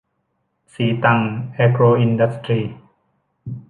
ศรีตรังแอโกรอินดัสทรี